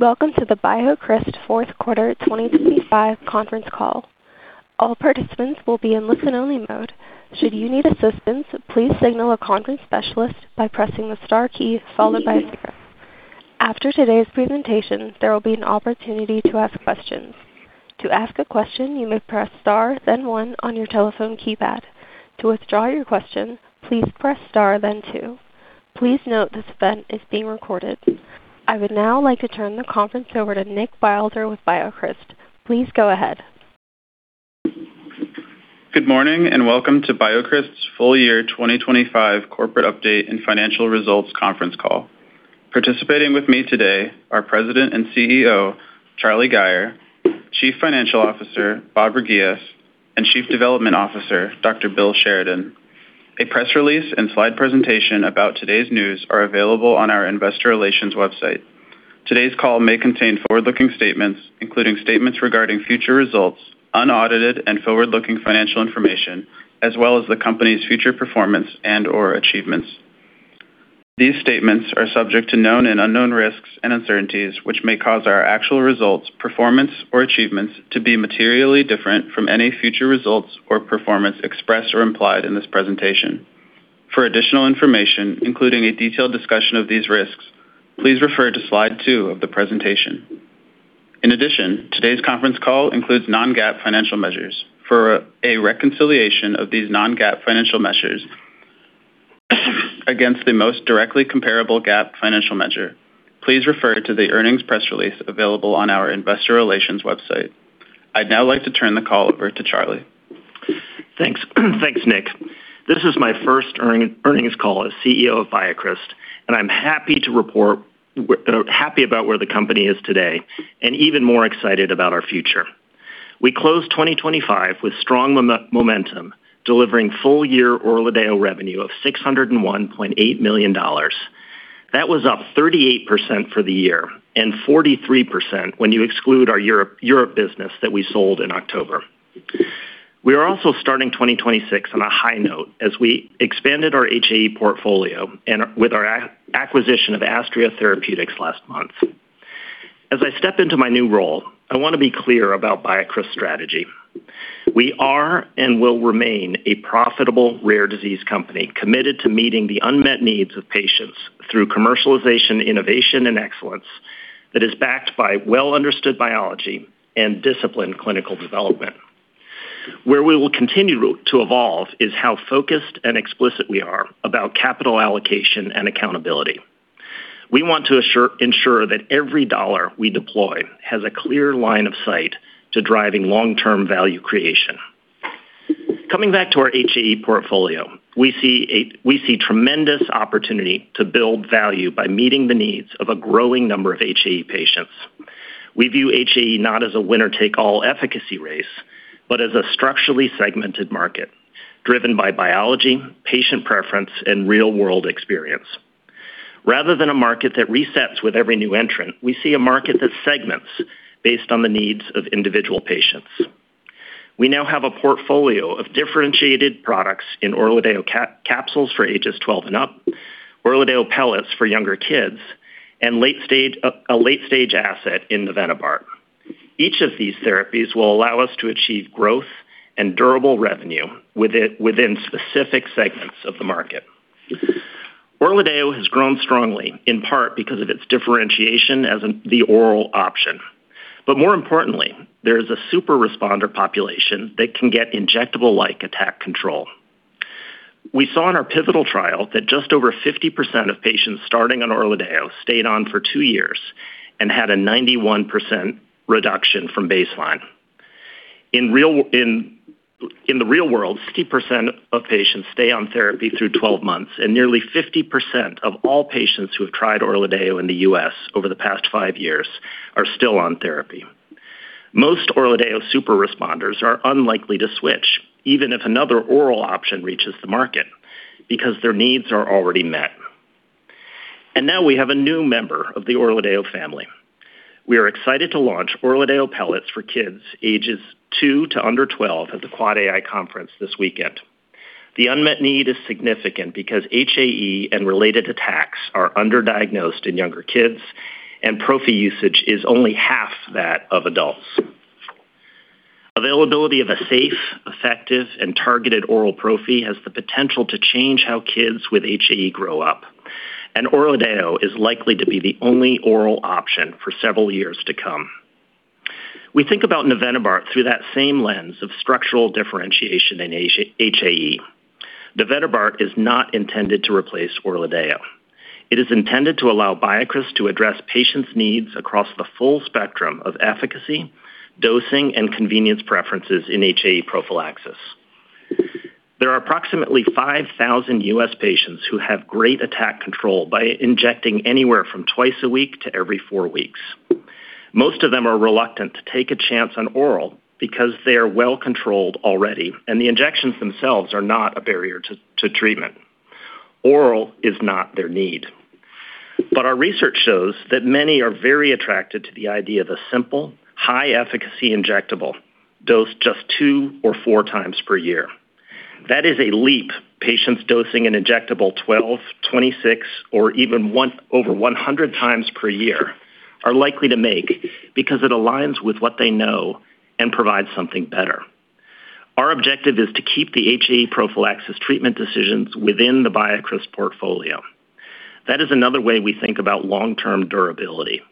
Welcome to the BioCryst 4th quarter 2025 conference call. All participants will be in listen-only mode. Should you need assistance, please signal a conference specialist by pressing the star key followed by zero. After today's presentation, there will be an opportunity to ask questions. To ask a question, you may press star, then one on your telephone keypad. To withdraw your question, please press star then two. Please note this event is being recorded. I would now like to turn the conference over to Nick Wilder with BioCryst. Please go ahead. Good morning, and welcome to BioCryst's full year 2025 corporate update and financial results conference call. Participating with me today are President and CEO, Charlie Gayer, Chief Financial Officer, Anthony Doyle, and Chief Development Officer, Dr. Bill Sheridan. A press release and slide presentation about today's news are available on our investor relations website. Today's call may contain forward-looking statements, including statements regarding future results, unaudited and forward-looking financial information, as well as the company's future performance and or achievements. These statements are subject to known and unknown risks and uncertainties, which may cause our actual results, performance, or achievements to be materially different from any future results or performance expressed or implied in this presentation. For additional information, including a detailed discussion of these risks, please refer to slide 2 of the presentation. In addition, today's conference call includes non-GAAP financial measures. For a reconciliation of these non-GAAP financial measures against the most directly comparable GAAP financial measure, please refer to the earnings press release available on our investor relations website. I'd now like to turn the call over to Charlie. Thanks. Thanks, Nick. This is my first earnings call as CEO of BioCryst, and I'm happy to report. Happy about where the company is today and even more excited about our future. We closed 2025 with strong momentum, delivering full-year ORLADEYO revenue of $601.8 million. That was up 38% for the year and 43% when you exclude our Europe business that we sold in October. We are also starting 2026 on a high note as we expanded our HAE portfolio and with our acquisition of Astria Therapeutics last month. As I step into my new role, I want to be clear about BioCryst strategy. We are and will remain a profitable, rare disease company, committed to meeting the unmet needs of patients through commercialization, innovation, and excellence that is backed by well understood biology and disciplined clinical development. Where we will continue to evolve is how focused and explicit we are about capital allocation and accountability. We want to ensure that every dollar we deploy has a clear line of sight to driving long-term value creation. Coming back to our HAE portfolio, we see tremendous opportunity to build value by meeting the needs of a growing number of HAE patients. We view HAE not as a winner-take-all efficacy race, but as a structurally segmented market driven by biology, patient preference, and real-world experience. Rather than a market that resets with every new entrant, we see a market that segments based on the needs of individual patients. We now have a portfolio of differentiated products in ORLADEYO capsules for ages 12 and up, ORLADEYO Pellets for younger kids, and a late-stage asset in navenibart. Each of these therapies will allow us to achieve growth and durable revenue within specific segments of the market. ORLADEYO has grown strongly, in part because of its differentiation as the oral option. More importantly, there is a super responder population that can get injectable-like attack control. We saw in our pivotal trial that just over 50% of patients starting on ORLADEYO stayed on for two years and had a 91% reduction from baseline. In the real world, 60% of patients stay on therapy through 12 months, and nearly 50% of all patients who have tried ORLADEYO in the U.S. over the past five years are still on therapy. Most ORLADEYO super responders are unlikely to switch, even if another oral option reaches the market, because their needs are already met. Now we have a new member of the ORLADEYO family. We are excited to launch ORLADEYO Pellets for kids ages 2 to under 12 at the AAAAI conference this weekend. The unmet need is significant because HAE and related attacks are underdiagnosed in younger kids, and prophy usage is only half that of adults. Availability of a safe, effective, and targeted oral prophy has the potential to change how kids with HAE grow up, and ORLADEYO is likely to be the only oral option for several years to come. We think about navenibart through that same lens of structural differentiation in HAE. navenibart is not intended to replace ORLADEYO. It is intended to allow BioCryst to address patients' needs across the full spectrum of efficacy, dosing, and convenience preferences in HAE prophylaxis. There are approximately 5,000 US patients who have great attack control by injecting anywhere from twice a week to every four weeks. Most of them are reluctant to take a chance on oral because they are well controlled already, and the injections themselves are not a barrier to treatment. Oral is not their need. Our research shows that many are very attracted to the idea of a simple, high-efficacy injectable dosed just 2 or 4 times per year... That is a leap patients dosing an injectable 12, 26, or even one over one hundred times per year are likely to make because it aligns with what they know and provides something better. Our objective is to keep the HAE prophylaxis treatment decisions within the BioCryst portfolio. That is another way we think about long-term durability,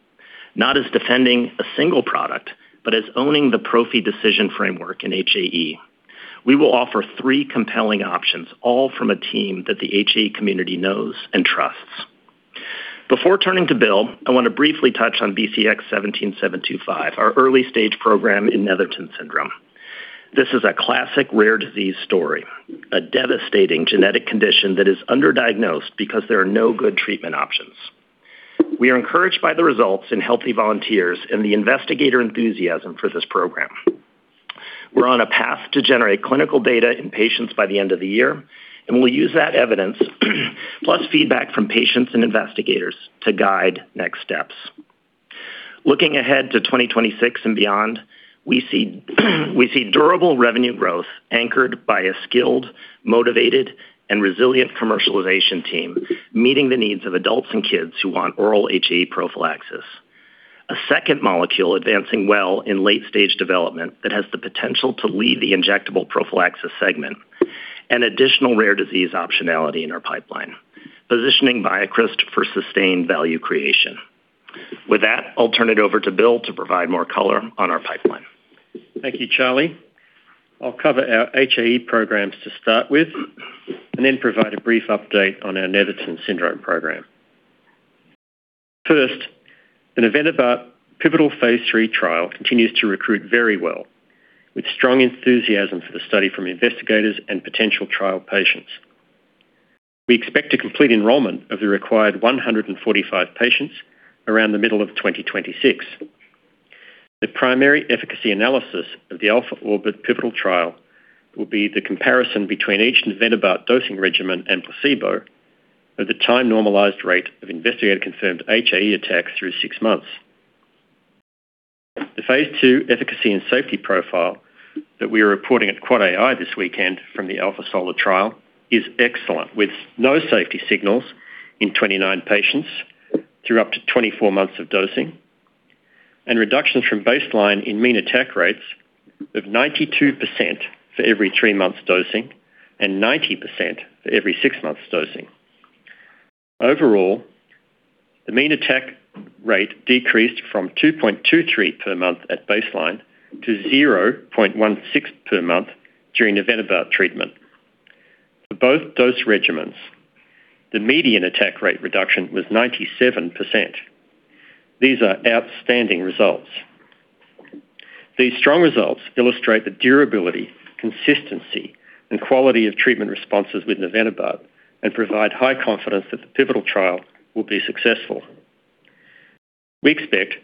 not as defending a single product, but as owning the prophy decision framework in HAE. We will offer three compelling options, all from a team that the HAE community knows and trusts. Before turning to Bill, I want to briefly touch on BCX17725, our early-stage program in Netherton syndrome. This is a classic rare disease story, a devastating genetic condition that is underdiagnosed because there are no good treatment options. We are encouraged by the results in healthy volunteers and the investigator enthusiasm for this program. We're on a path to generate clinical data in patients by the end of the year, and we'll use that evidence, plus feedback from patients and investigators to guide next steps. Looking ahead to 2026 and beyond, we see durable revenue growth anchored by a skilled, motivated, and resilient commercialization team, meeting the needs of adults and kids who want oral HAE prophylaxis. A second molecule advancing well in late-stage development that has the potential to lead the injectable prophylaxis segment, and additional rare disease optionality in our pipeline, positioning BioCryst for sustained value creation. With that, I'll turn it over to Bill to provide more color on our pipeline. Thank you, Charlie. I'll cover our HAE programs to start with, and then provide a brief update on our Netherton syndrome program. First, the navenibart pivotal phase III trial continues to recruit very well, with strong enthusiasm for the study from investigators and potential trial patients. We expect to complete enrollment of the required 145 patients around the middle of 2026. The primary efficacy analysis of the ALPHA-ORBIT pivotal trial will be the comparison between each navenibart dosing regimen and placebo, of the time-normalized rate of investigator-confirmed HAE attacks through 6 months. The phase II efficacy and safety profile that we are reporting at AAAAI this weekend from the ALPHA-SOLAR trial is excellent, with no safety signals in 29 patients through up to 24 months of dosing, and reductions from baseline in mean attack rates of 92% for every three months dosing and 90% for every six months dosing. Overall, the mean attack rate decreased from 2.23 per month at baseline to 0.16 per month during navenibart treatment. For both dose regimens, the median attack rate reduction was 97%. These are outstanding results. These strong results illustrate the durability, consistency, and quality of treatment responses with navenibart and provide high confidence that the pivotal trial will be successful. We expect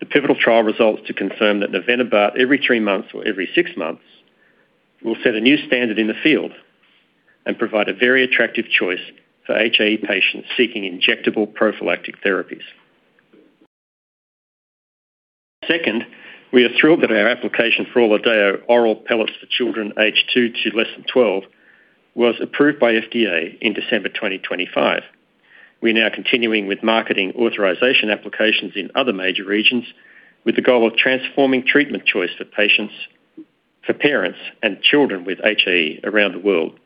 the pivotal trial results to confirm that navenibart every 3 months or every 6 months, will set a new standard in the field and provide a very attractive choice for HAE patients seeking injectable prophylactic therapies. Second, we are thrilled that our application for ORLADEYO oral pellets for children aged 2 to less than 12 was approved by FDA in December 2025. We are now continuing with marketing authorization applications in other major regions, with the goal of transforming treatment choice for patients, for parents, and children with HAE around the world.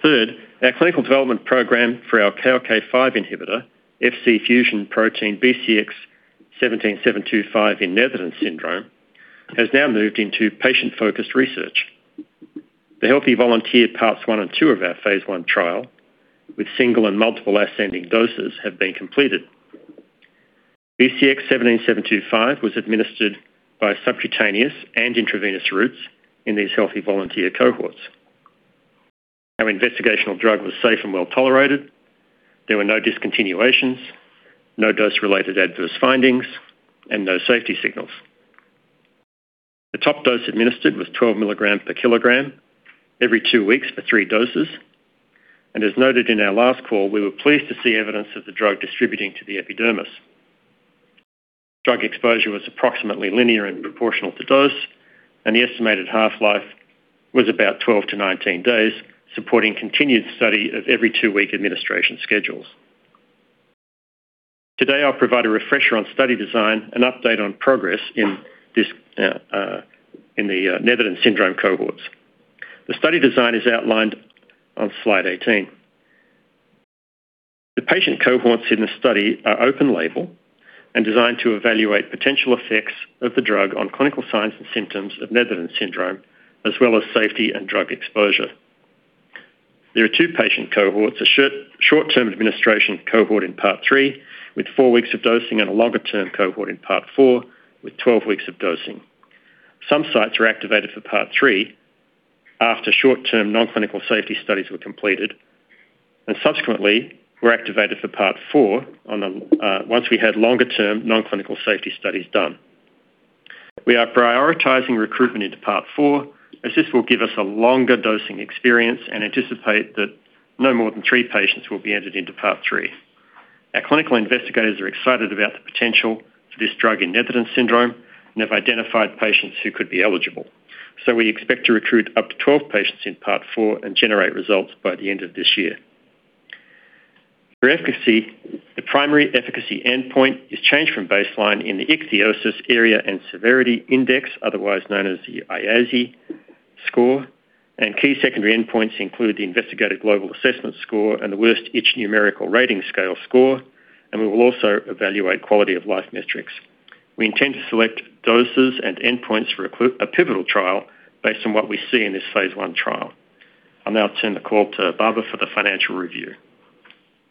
Third, our clinical development program for our KLK5 inhibitor, Fc-fusion protein BCX17725 in Netherton syndrome, has now moved into patient-focused research. The healthy volunteer Parts 1 and 2 of our phase I trial with single and multiple ascending doses have been completed. BCX17725 was administered by subcutaneous and intravenous routes in these healthy volunteer cohorts. Our investigational drug was safe and well tolerated. There were no discontinuations, no dose-related adverse findings, and no safety signals. The top dose administered was 12 milligrams per kilogram every two weeks for three doses. As noted in our last call, we were pleased to see evidence of the drug distributing to the epidermis. Drug exposure was approximately linear and proportional to dose, and the estimated half-life was about 12-19 days, supporting continued study of every two-week administration schedules. Today, I'll provide a refresher on study design and update on progress in the Netherton syndrome cohorts. The study design is outlined on slide 18. The patient cohorts in the study are open label and designed to evaluate potential effects of the drug on clinical signs and symptoms of Netherton syndrome, as well as safety and drug exposure. There are two patient cohorts: a short-term administration cohort in Part 3, with 4 weeks of dosing, and a longer-term cohort in Part 4, with 12 weeks of dosing. Some sites are activated for Part 3 after short-term non-clinical safety studies were completed, and subsequently were activated for Part 4 on the once we had longer-term non-clinical safety studies done. We are prioritizing recruitment into Part 4, as this will give us a longer dosing experience and anticipate that no more than three patients will be entered into Part 3. Our clinical investigators are excited about the potential for this drug in Netherton syndrome and have identified patients who could be eligible. We expect to recruit up to 12 patients in Part 4 and generate results by the end of this year. For efficacy, the primary efficacy endpoint is changed from baseline in the Ichthyosis Area and Severity Index, otherwise known as the IASI score, and key secondary endpoints include the Investigator Global Assessment score and the Worst Itch Numerical Rating Scale score, and we will also evaluate quality of life metrics. We intend to select doses and endpoints for a pivotal trial based on what we see in this phase I trial. I'll now turn the call to Babar for the financial review.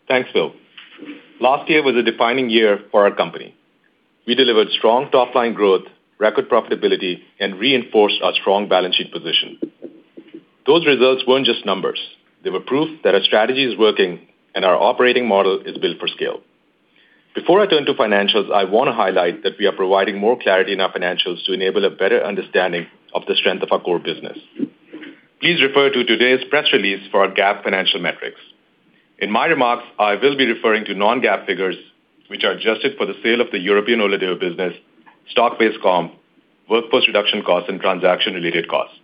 Thanks, Bill. Last year was a defining year for our company. We delivered strong top-line growth, record profitability, and reinforced our strong balance sheet position. Those results weren't just numbers. They were proof that our strategy is working and our operating model is built for scale. Before I turn to financials, I want to highlight that we are providing more clarity in our financials to enable a better understanding of the strength of our core business. Please refer to today's press release for our GAAP financial metrics. In my remarks, I will be referring to non-GAAP figures, which are adjusted for the sale of the European ORLADEYO business, stock-based comp, workforce reduction costs, and transaction-related costs.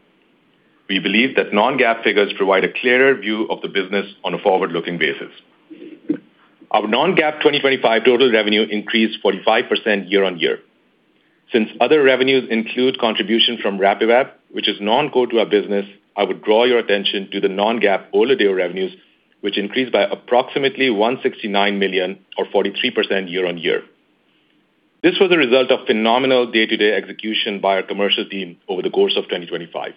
We believe that non-GAAP figures provide a clearer view of the business on a forward-looking basis. Our non-GAAP 2025 total revenue increased 45% year-on-year. Since other revenues include contribution from RAPIVAB, which is non-core to our business, I would draw your attention to the non-GAAP ORLADEYO revenues, which increased by approximately $169 million or 43% year-on-year. This was a result of phenomenal day-to-day execution by our commercial team over the course of 2025.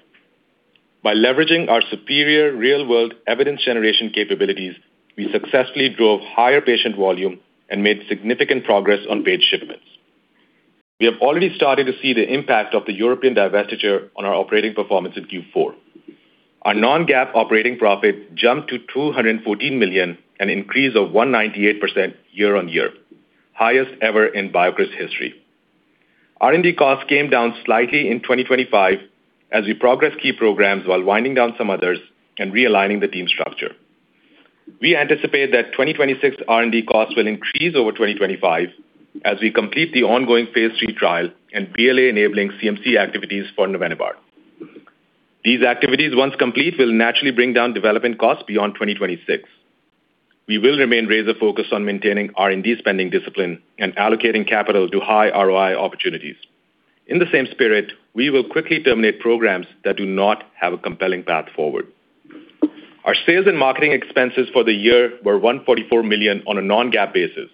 By leveraging our superior real-world evidence generation capabilities, we successfully drove higher patient volume and made significant progress on paid shipments. We have already started to see the impact of the European divestiture on our operating performance in Q4. Our non-GAAP operating profit jumped to $214 million, an increase of 198% year-on-year, highest ever in BioCryst's history. R&D costs came down slightly in 2025 as we progress key programs while winding down some others and realigning the team structure. We anticipate that 2026 R&D costs will increase over 2025 as we complete the ongoing phase III trial and BLA-enabling CMC activities for navenibart. These activities, once complete, will naturally bring down development costs beyond 2026. We will remain razor-focused on maintaining R&D spending discipline and allocating capital to high ROI opportunities. In the same spirit, we will quickly terminate programs that do not have a compelling path forward. Our sales and marketing expenses for the year were $144 million on a non-GAAP basis,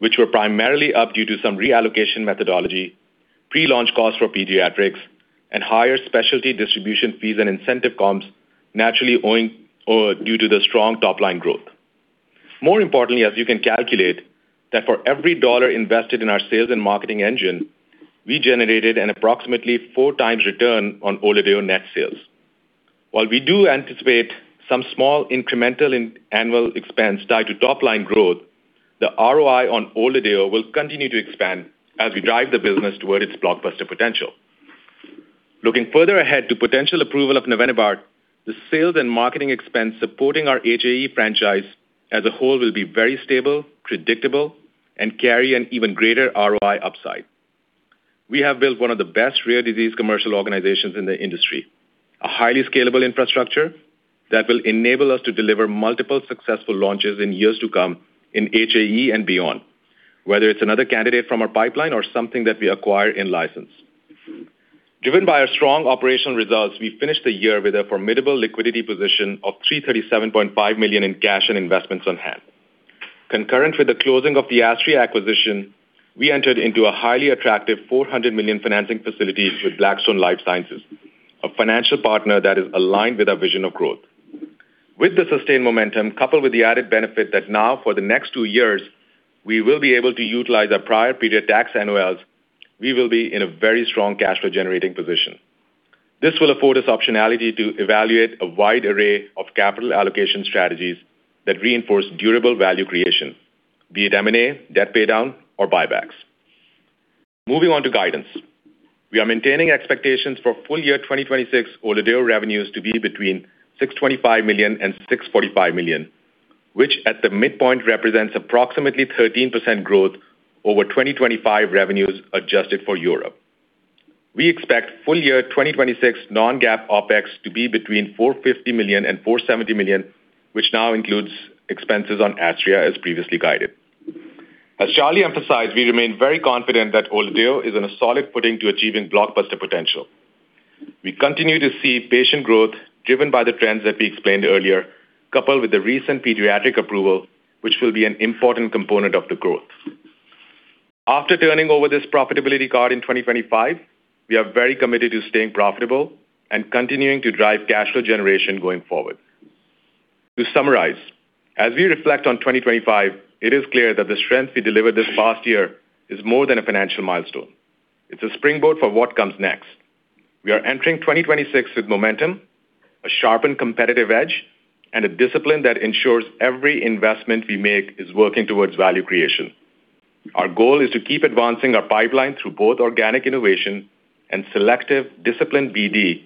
which were primarily up due to some reallocation methodology, pre-launch costs for pediatrics, and higher specialty distribution fees and incentive comps, naturally owing due to the strong top-line growth. As you can calculate, that for every dollar invested in our sales and marketing engine, we generated an approximately four times return on ORLADEYO net sales. While we do anticipate some small incremental in annual expense tied to top-line growth, the ROI on ORLADEYO will continue to expand as we drive the business toward its blockbuster potential. Looking further ahead to potential approval of navenibart, the sales and marketing expense supporting our HAE franchise as a whole will be very stable, predictable, and carry an even greater ROI upside. We have built one of the best rare disease commercial organizations in the industry, a highly scalable infrastructure that will enable us to deliver multiple successful launches in years to come in HAE and beyond, whether it's another candidate from our pipeline or something that we acquire in license. Driven by our strong operational results, we finished the year with a formidable liquidity position of $337.5 million in cash and investments on hand. Concurrent with the closing of the Astria acquisition, we entered into a highly attractive $400 million financing facilities with Blackstone Life Sciences, a financial partner that is aligned with our vision of growth. With the sustained momentum, coupled with the added benefit that now for the next two years, we will be able to utilize our prior period tax NOLs, we will be in a very strong cash flow generating position. This will afford us optionality to evaluate a wide array of capital allocation strategies that reinforce durable value creation, be it M&A, debt paydown, or buybacks. Moving on to guidance. We are maintaining expectations for full-year 2026 ORLADEYO revenues to be between $625 million and $645 million, which at the midpoint represents approximately 13% growth over 2025 revenues adjusted for Europe. We expect full-year 2026 non-GAAP OpEx to be between $450 million and $470 million, which now includes expenses on Astria, as previously guided. As Charlie emphasized, we remain very confident that ORLADEYO is in a solid footing to achieving blockbuster potential. We continue to see patient growth driven by the trends that we explained earlier, coupled with the recent pediatric approval, which will be an important component of the growth. After turning over this profitability card in 2025, we are very committed to staying profitable and continuing to drive cash flow generation going forward. To summarize, as we reflect on 2025, it is clear that the strength we delivered this past year is more than a financial milestone. It's a springboard for what comes next. We are entering 2026 with momentum, a sharpened competitive edge, and a discipline that ensures every investment we make is working towards value creation. Our goal is to keep advancing our pipeline through both organic innovation and selective disciplined BD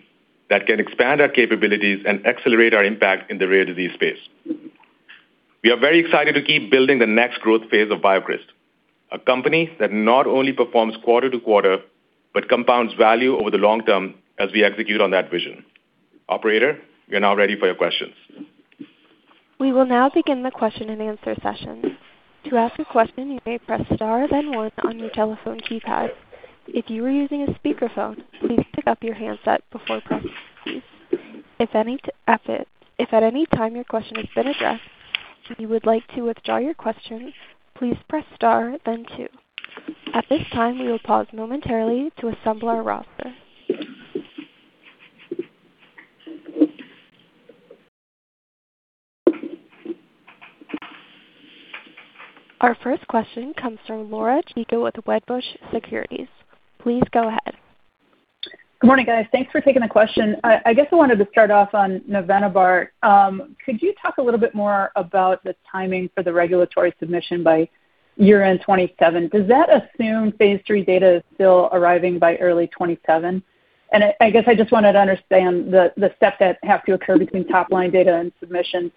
that can expand our capabilities and accelerate our impact in the rare disease space. We are very excited to keep building the next growth phase of BioCryst, a company that not only performs quarter to quarter, but compounds value over the long term as we execute on that vision. Operator, we are now ready for your questions. We will now begin the question-and-answer session. To ask a question, you may press star, then one on your telephone keypad. If you are using a speakerphone, please pick up your handset before pressing keys. If at any time your question has been addressed, and you would like to withdraw your question, please press star, then two. At this time, we will pause momentarily to assemble our roster. Our first question comes from Laura Chico with Wedbush Securities. Please go ahead. Good morning, guys. Thanks for taking the question. I guess I wanted to start off on navenibart. Could you talk a little bit more about the timing for the regulatory submission by year-end 2027? Does that assume phase III data is still arriving by early 2027? I guess I just wanted to understand the steps that have to occur between top-line data and submission.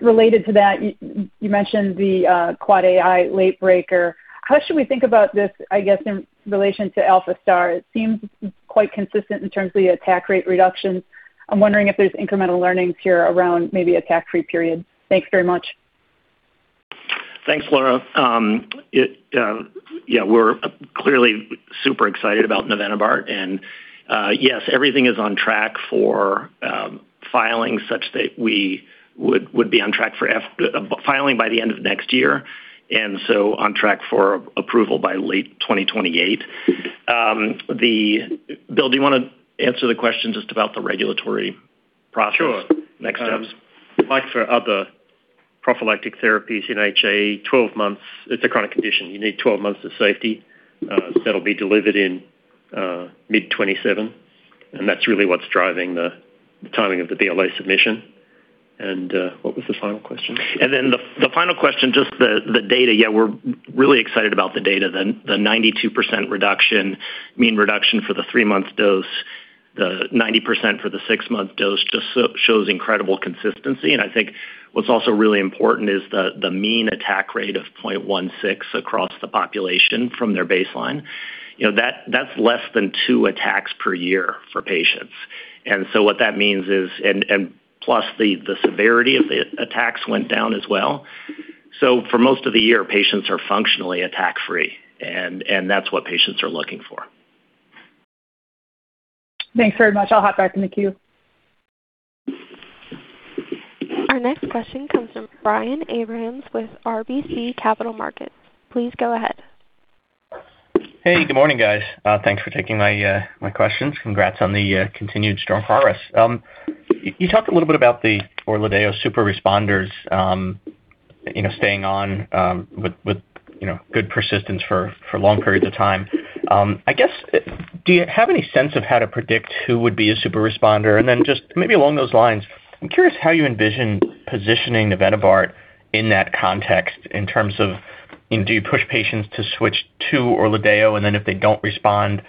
Related to that, you mentioned the AAAAI late breaker. How should we think about this, I guess, in relation to ALPHA-STAR? It seems quite consistent in terms of the attack rate reductions. I'm wondering if there's incremental learnings here around maybe attack-free period. Thanks very much. Thanks, Laura. it, yeah, we're clearly super excited about navenibart. Yes, everything is on track for filing such that we would be on track for filing by the end of next year, and so on track for approval by late 2028. The... Bill, do you want to answer the question just about the regulatory process? Sure. Next steps. Like for other prophylactic therapies in HAE, 12 months, it's a chronic condition. You need 12 months of safety. That'll be delivered in mid-2027, and that's really what's driving the timing of the BLA submission. What was the final question? The final question, just the data. Yeah, we're really excited about the data. The 92% reduction, mean reduction for the 3-month dose, the 90% for the 6-month dose, just so shows incredible consistency. I think what's also really important is the mean attack rate of 0.16 across the population from their baseline. You know, that's less than two attacks per year for patients. What that means is, plus, the severity of the attacks went down as well. For most of the year, patients are functionally attack free, that's what patients are looking for. Thanks very much. I'll hop back in the queue. Our next question comes from Brian Abrahams with RBC Capital Markets. Please go ahead. Hey, good morning, guys. thanks for taking my questions. Congrats on the continued strong progress. You talked a little bit about the ORLADEYO super responders, you know, staying on, with, you know, good persistence for long periods of time. I guess, do you have any sense of how to predict who would be a super responder? Just maybe along those lines, I'm curious how you envision positioning navenibart in that context in terms of, you know, do you push patients to switch to ORLADEYO, and then if they don't respond,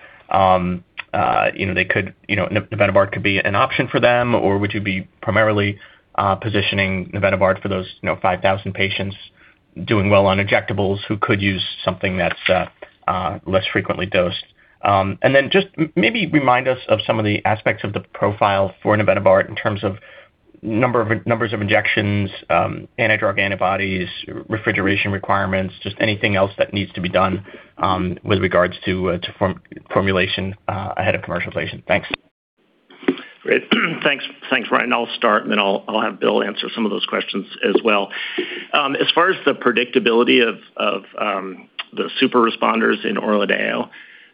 you know, they could, you know, navenibart could be an option for them, or would you be primarily positioning navenibart for those, you know, 5,000 patients doing well on injectables who could use something that's less frequently dosed? Just maybe remind us of some of the aspects of the profile for navenibart in terms of numbers of injections, anti-drug antibodies, refrigeration requirements, just anything else that needs to be done, with regards to formulation, ahead of commercialization. Thanks. Great. Thanks. Thanks, Brian. I'll start, and then I'll have Bill answer some of those questions as well. As far as the predictability of the super responders in ORLADEYO,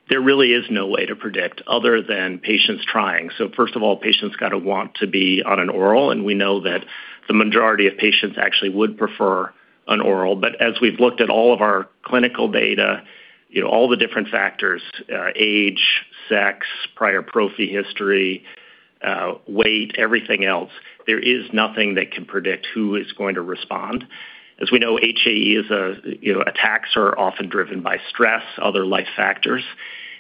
there really is no way to predict other than patients trying. First of all, patients got to want to be on an oral, and we know that the majority of patients actually would prefer an oral. As we've looked at all of our clinical data, you know, all the different factors, age, sex, prior prophy history, weight, everything else, there is nothing that can predict who is going to respond. As we know, HAE is a, you know, attacks are often driven by stress, other life factors.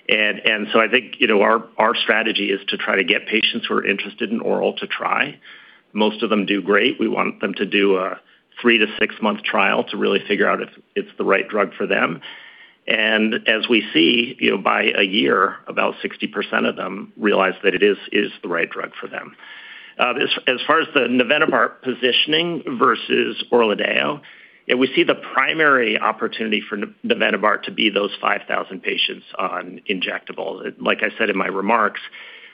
I think, you know, our strategy is to try to get patients who are interested in oral to try. Most of them do great. We want them to do a 3-to-6-month trial to really figure out if it's the right drug for them. As we see, you know, by a year, about 60% of them realize that it is the right drug for them. As far as the navenibart positioning versus ORLADEYO, we see the primary opportunity for navenibart to be those 5,000 patients on injectables. Like I said in my remarks,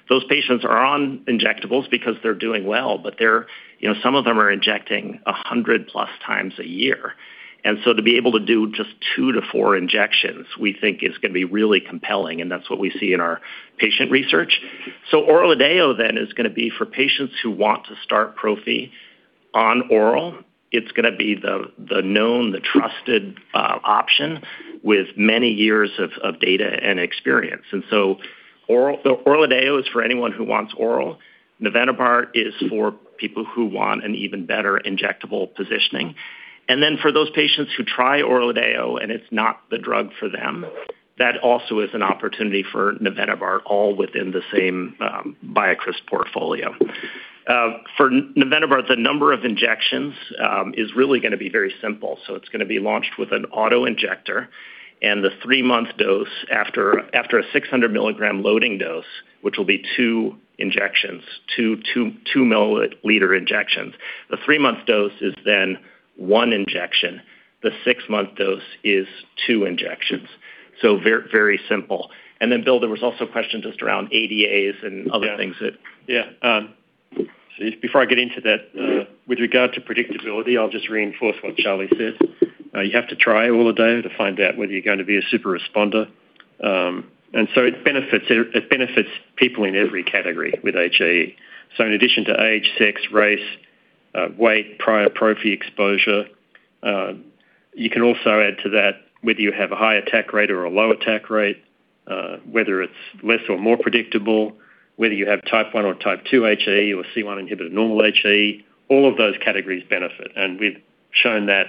those patients are on injectables because they're doing well, but they're, you know, some of them are injecting 100+ times a year. To be able to do just 2 to 4 injections, we think is going to be really compelling, and that's what we see in our patient research. ORLADEYO then is going to be for patients who want to start prophy on oral. It's going to be the known, trusted option with many years of data and experience. ORLADEYO is for anyone who wants oral. navenibart is for people who want an even better injectable positioning. For those patients who try ORLADEYO, and it's not the drug for them, that also is an opportunity for navenibart, all within the same BioCryst portfolio. For navenibart, the number of injections is really going to be very simple. It's going to be launched with an auto-injector and the 3-month dose after a 600 mg loading dose, which will be 2 injections, 2-milliliter injections. The 3-month dose is then one injection. The 6-month dose is 2 injections. Very simple. Bill, there was also a question just around ADAs and. Yeah. Other things that... Before I get into that, with regard to predictability, I'll just reinforce what Charlie said. You have to try ORLADEYO to find out whether you're gonna be a super responder. It benefits people in every category with HAE. In addition to age, sex, race, weight, prior Prophy exposure, you can also add to that whether you have a high attack rate or a low attack rate, whether it's less or more predictable, whether you have type one or type two HAE or C1 inhibitor, normal HAE, all of those categories benefit, and we've shown that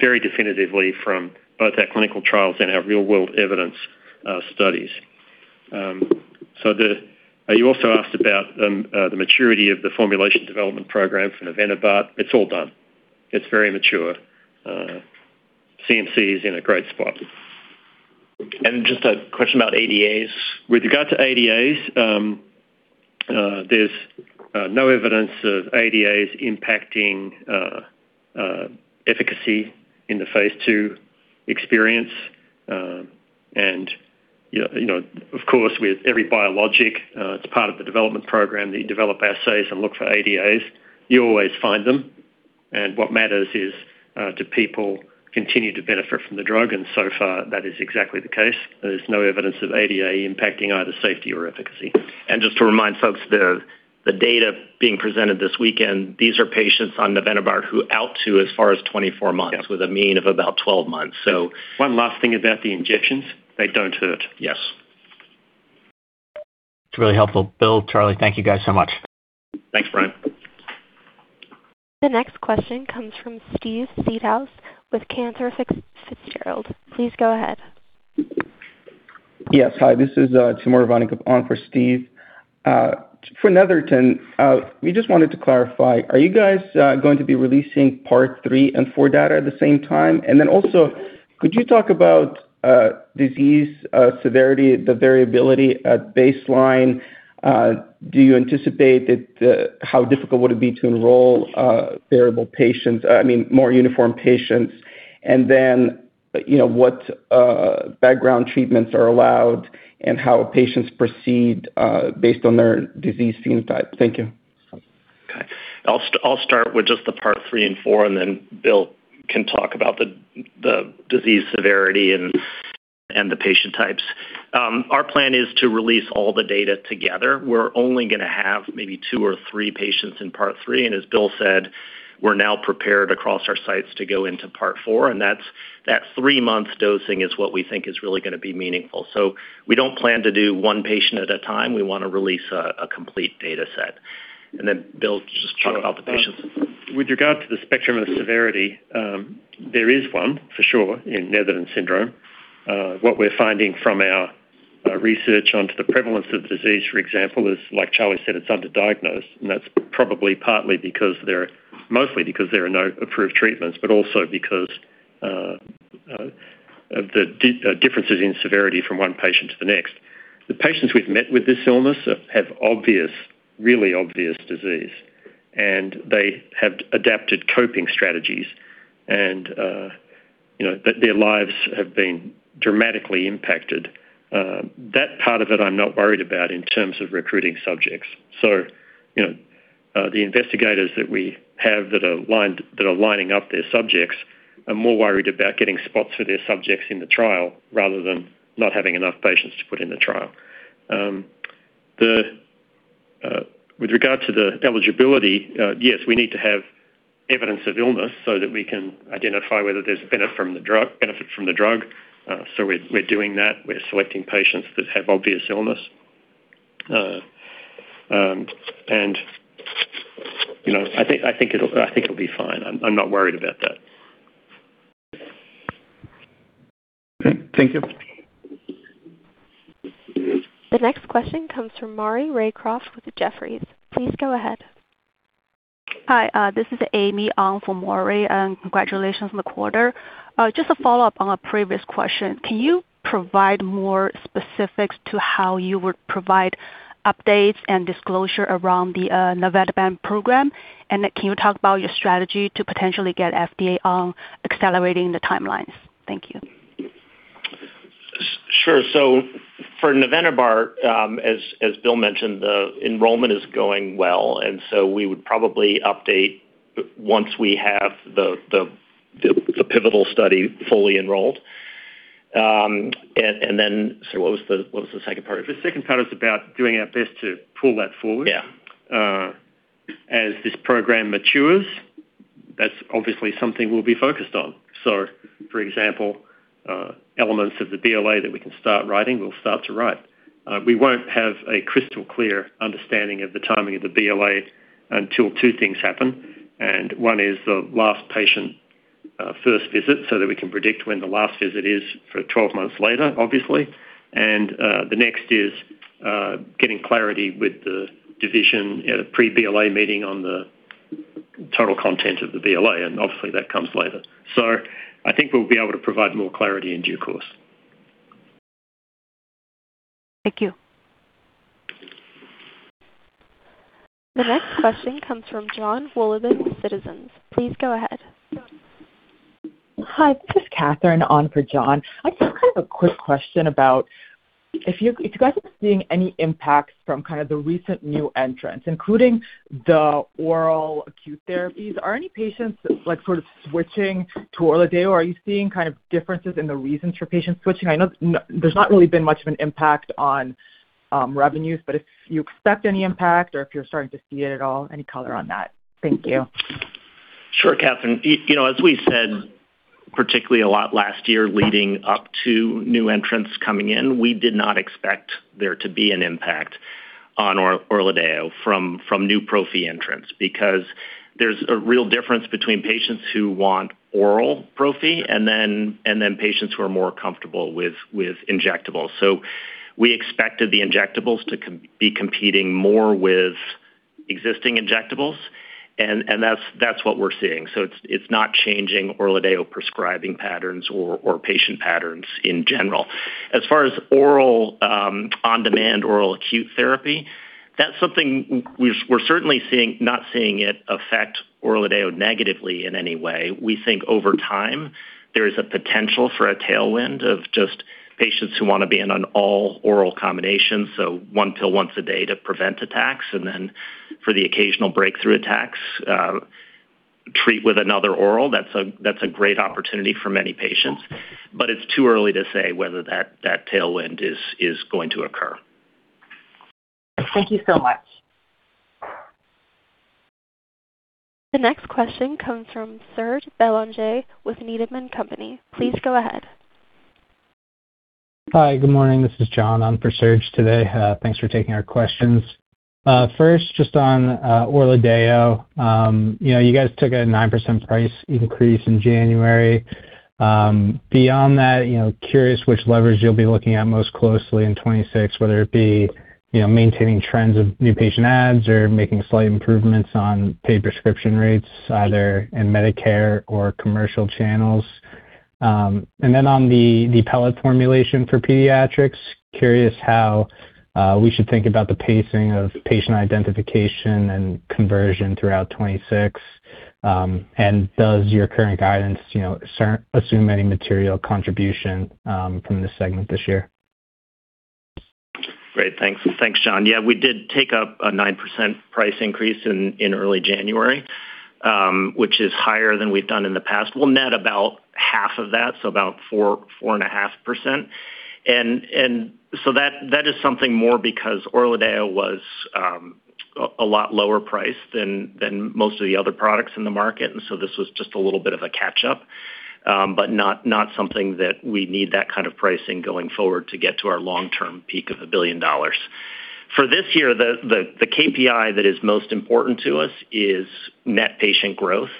very definitively from both our clinical trials and our real-world evidence studies. You also asked about the maturity of the formulation development program for navenibart. It's all done. It's very mature. CMC is in a great spot. Just a question about ADAs. With regard to ADAs, there's no evidence of ADAs impacting efficacy in the phase II experience. You know, of course, with every biologic, it's part of the development program. You develop assays and look for ADAs. You always find them, and what matters is, do people continue to benefit from the drug? So far, that is exactly the case. There's no evidence of ADA impacting either safety or efficacy. Just to remind folks, the data being presented this weekend, these are patients on navenibart who out to as far as 24 months. Yeah. With a mean of about 12 months. One last thing about the injections, they don't hurt. Yes. It's really helpful. Bill, Charlie, thank you guys so much. Thanks, Brian. The next question comes from Steven Seedhouse with Cantor Fitzgerald. Please go ahead. Yes. Hi, this is Mikaela Vanik on for Steve. For Netherton, we just wanted to clarify, are you guys going to be releasing part 3 and 4 data at the same time? Also, could you talk about disease severity, the variability at baseline? Do you anticipate that, how difficult would it be to enroll variable patients, I mean, more uniform patients? You know, what background treatments are allowed and how patients proceed based on their disease phenotype? Thank you. Okay. I'll start with just the part 3 and 4. Bill can talk about the disease severity and the patient types. Our plan is to release all the data together. We're only gonna have maybe 2 or 3 patients in part 3, and as Bill said, we're now prepared across our sites to go into part 4, and that 3-month dosing is what we think is really gonna be meaningful. We don't plan to do one patient at a time. We want to release a complete data set. Bill, just talk about the patients. Sure. With regard to the spectrum of severity, there is one for sure in Netherton syndrome. What we're finding from our research onto the prevalence of the disease, for example, is, like Charlie said, it's underdiagnosed, and that's probably partly because mostly because there are no approved treatments, but also because differences in severity from one patient to the next. The patients we've met with this illness have obvious, really obvious disease, and they have adapted coping strategies, and, you know, their lives have been dramatically impacted. That part of it I'm not worried about in terms of recruiting subjects. You know, the investigators that we have that are lining up their subjects are more worried about getting spots for their subjects in the trial rather than not having enough patients to put in the trial. The, with regard to the eligibility, yes, we need to have evidence of illness so that we can identify whether there's benefit from the drug. We're doing that. We're selecting patients that have obvious illness. You know, I think, I think it'll, I think it'll be fine. I'm not worried about that. Okay. Thank you. The next question comes from Maury Raycroft with Jefferies. Please go ahead. Hi, this is Amy on for Maury, and congratulations on the quarter. Just a follow-up on a previous question. Can you provide more specifics to how you would provide updates and disclosure around the navenibart program? Can you talk about your strategy to potentially get FDA on accelerating the timelines? Thank you. Sure. For navenibart, as Bill mentioned, the enrollment is going well, we would probably update once we have the pivotal study fully enrolled. Then, what was the second part? The second part is about doing our best to pull that forward... Yeah. as this program matures. That's obviously something we'll be focused on. For example, elements of the BLA that we can start writing, we'll start to write. We won't have a crystal clear understanding of the timing of the BLA until two things happen, one is the last patient, first visit, so that we can predict when the last visit is for 12 months later, obviously. The next is getting clarity with the division at a pre-BLA meeting on the total content of the BLA, obviously, that comes later. I think we'll be able to provide more clarity in due course. Thank you. The next question comes from Jon Wolleben, Citizens JMP. Please go ahead. Hi, this is Catherine on for Jon. I just have a quick question about if you guys are seeing any impacts from kind of the recent new entrants, including the oral acute therapies. Are any patients, like, sort of switching to ORLADEYO, or are you seeing kind of differences in the reasons for patients switching? I know there's not really been much of an impact on revenues, but if you expect any impact or if you're starting to see it at all, any color on that? Thank you. Sure, Catherine. You know, as we said, particularly a lot last year, leading up to new entrants coming in, we did not expect there to be an impact on ORLADEYO from new prophy entrants because there's a real difference between patients who want oral prophy and then patients who are more comfortable with injectables. We expected the injectables to be competing more with existing injectables, and that's what we're seeing. It's not changing ORLADEYO prescribing patterns or patient patterns in general. As far as oral, on-demand oral acute therapy, that's something we're certainly seeing. Not seeing it affect ORLADEYO negatively in any way. We think over time, there is a potential for a tailwind of just patients who want to be in an all-oral combination, so one pill once a day to prevent attacks, and then for the occasional breakthrough attacks, treat with another oral. That's a great opportunity for many patients, but it's too early to say whether that tailwind is going to occur. Thank you so much. The next question comes from Serge Bélanger with Needham & Company. Please go ahead. Hi, good morning. This is John on for Serge today. Thanks for taking our questions. First, just on ORLADEYO. You know, you guys took a 9% price increase in January. Beyond that, you know, curious which levers you'll be looking at most closely in 2026, whether it be, you know, maintaining trends of new patient adds or making slight improvements on paid prescription rates, either in Medicare or commercial channels. And then on the pellet formulation for pediatrics, curious how we should think about the pacing of patient identification and conversion throughout 2026. And does your current guidance, you know, assume any material contribution from this segment this year? Great. Thanks. Thanks, John. Yeah, we did take up a 9% price increase in early January, which is higher than we've done in the past. We'll net about half of that, so about 4.5%. That is something more because ORLADEYO was a lot lower priced than most of the other products in the market, and so this was just a little bit of a catch up, but not something that we need that kind of pricing going forward to get to our long-term peak of $1 billion. For this year, the KPI that is most important to us is net patient growth.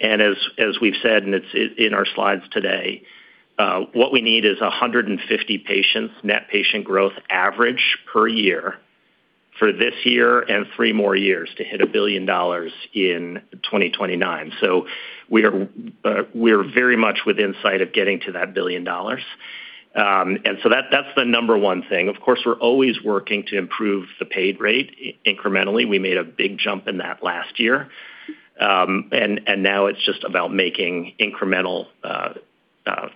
As we've said, in our slides today, what we need is 150 patients, net patient growth average per year for this year and three more years to hit $1 billion in 2029. We are very much within sight of getting to that $1 billion. That, that's the number 1 thing. Of course, we're always working to improve the paid rate incrementally. We made a big jump in that last year, and now it's just about making incremental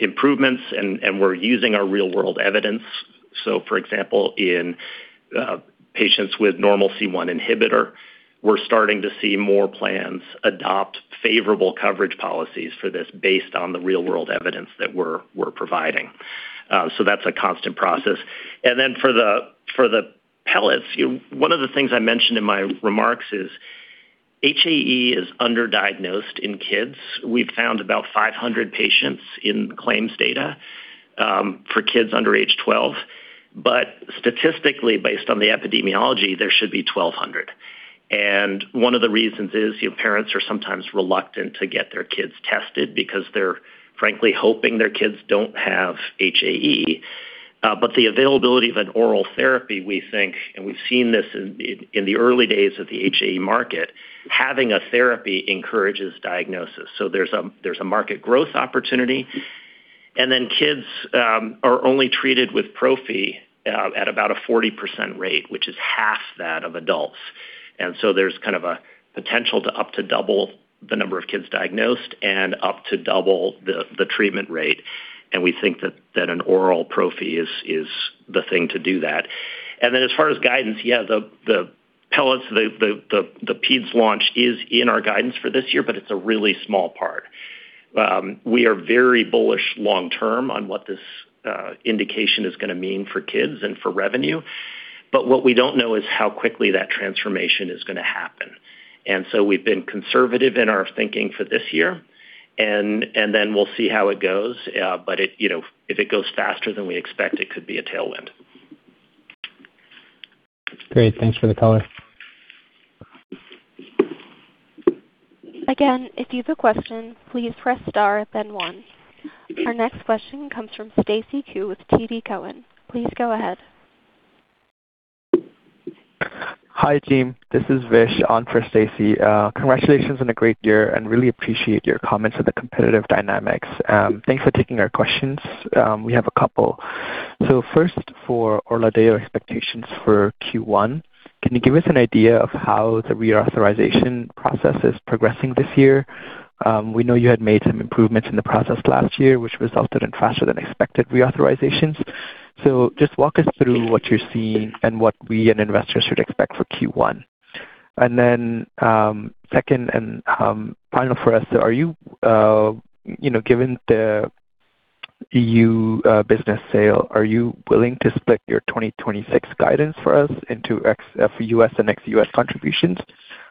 improvements, and we're using our real-world evidence. For example, in patients with normal C1 inhibitor, we're starting to see more plans adopt favorable coverage policies for this based on the real-world evidence that we're providing. That's a constant process. For the pellets, one of the things I mentioned in my remarks is HAE is underdiagnosed in kids. We've found about 500 patients in claims data for kids under age 12, but statistically, based on the epidemiology, there should be 1,200. One of the reasons is, you know, parents are sometimes reluctant to get their kids tested because they're frankly hoping their kids don't have HAE. But the availability of an oral therapy, we think, and we've seen this in the early days of the HAE market, having a therapy encourages diagnosis. There's a market growth opportunity, and then kids are only treated with prophy at about a 40% rate, which is half that of adults. There's kind of a potential to up to double the number of kids diagnosed and up to double the treatment rate, and we think that an oral prophy is the thing to do that. As far as guidance, yeah, the pellets, the pedes launch is in our guidance for this year, but it's a really small part. We are very bullish long term on what this indication is gonna mean for kids and for revenue. What we don't know is how quickly that transformation is gonna happen. We've been conservative in our thinking for this year, and then we'll see how it goes. It, you know, if it goes faster than we expect, it could be a tailwind. Great, thanks for the color. Again, if you have a question, please press star, then one. Our next question comes from Stacy Ku with TD Cowen. Please go ahead. Hi, team. This is Vish on for Stacy. Congratulations on a great year, and really appreciate your comments on the competitive dynamics. Thanks for taking our questions. We have a couple. First, for ORLADEYO expectations for Q1, can you give us an idea of how the reauthorization process is progressing this year? We know you had made some improvements in the process last year, which resulted in faster than expected reauthorizations. Just walk us through what you're seeing and what we and investors should expect for Q1. Then, second, and final for us, are you know, given the EU business sale, are you willing to split your 2026 guidance for us into ex- for US and ex-US contributions?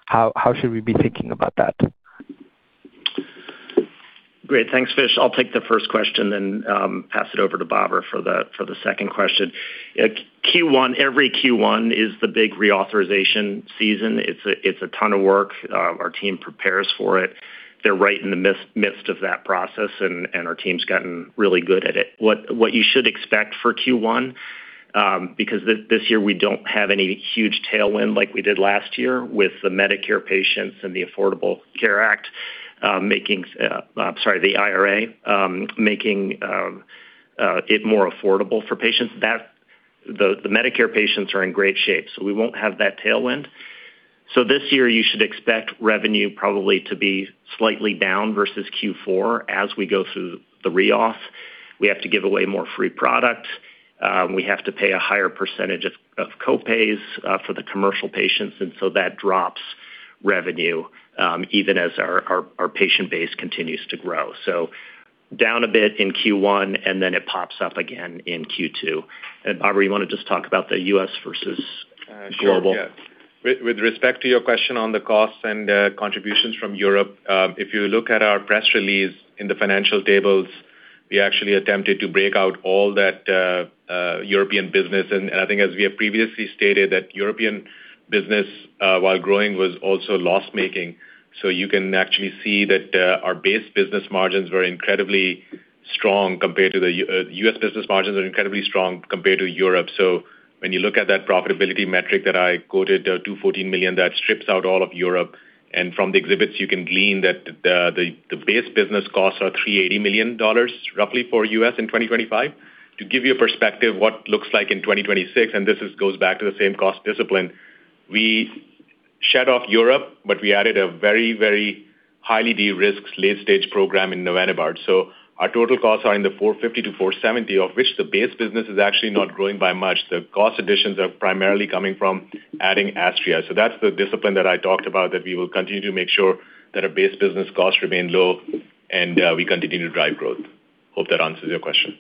How should we be thinking about that? Great, thanks, Vish. I'll take the first question, then pass it over to Babar for the second question. Q1, every Q1 is the big reauthorization season. It's a ton of work. Our team prepares for it. They're right in the midst of that process, and our team's gotten really good at it. What you should expect for Q1, because this year we don't have any huge tailwind like we did last year with the Medicare patients and the Affordable Care Act, making, the IRA, making it more affordable for patients. The Medicare patients are in great shape, we won't have that tailwind. This year, you should expect revenue probably to be slightly down versus Q4 as we go through the reauth. We have to give away more free product, we have to pay a higher percentage of co-pays for the commercial patients. That drops revenue even as our patient base continues to grow. Down a bit in Q1, and then it pops up again in Q2. Babar, you wanna just talk about the U.S. versus global? Sure, yeah. With respect to your question on the costs and contributions from Europe, if you look at our press release in the financial tables, we actually attempted to break out all that European business. I think as we have previously stated, that European business, while growing, was also loss-making. You can actually see that our base business margins were incredibly strong compared to the U.S. business margins are incredibly strong compared to Europe. When you look at that profitability metric that I quoted, $214 million, that strips out all of Europe. From the exhibits, you can glean that the base business costs are $380 million, roughly, for U.S. in 2025. To give you a perspective, what looks like in 2026, and this goes back to the same cost discipline, we shed off Europe, but we added a very, very highly de-risked late-stage program in navenibart. Our total costs are in the $450-$470, of which the base business is actually not growing by much. The cost additions are primarily coming from adding Astria. That's the discipline that I talked about, that we will continue to make sure that our base business costs remain low and, we continue to drive growth. Hope that answers your question.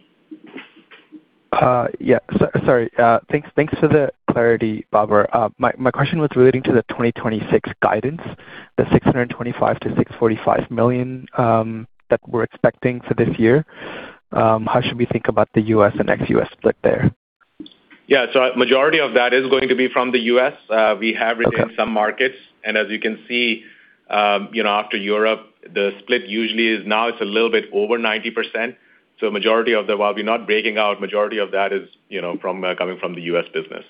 Yeah. Sorry, thanks for the clarity, Babar. My question was relating to the 2026 guidance, the $625 million-$645 million that we're expecting for this year. How should we think about the US and ex-US split there? Yeah, a majority of that is going to be from the U.S. We have Okay. - some markets, as you can see, you know, after Europe, the split usually. Now it's a little bit over 90%, so majority of that, while we're not breaking out, majority of that is, you know, from, coming from the U.S. business.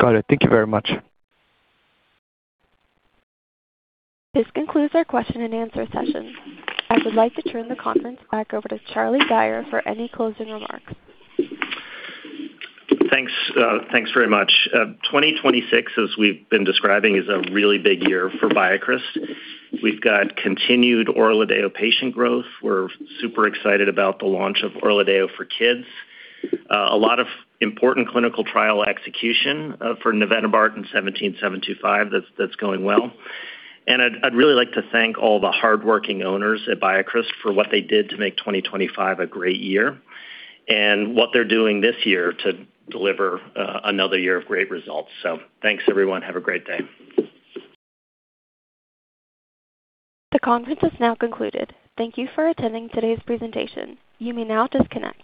Got it. Thank you very much. This concludes our question and answer session. I would like to turn the conference back over to Charlie Gayer for any closing remarks. Thanks, thanks very much. 2026, as we've been describing, is a really big year for BioCryst. We've got continued ORLADEYO patient growth. We're super excited about the launch of ORLADEYO for kids. A lot of important clinical trial execution for navenibart in BCX17725, that's going well. I'd really like to thank all the hardworking owners at BioCryst for what they did to make 2025 a great year, and what they're doing this year to deliver another year of great results. Thanks, everyone. Have a great day. The conference is now concluded. Thank you for attending today's presentation. You may now disconnect.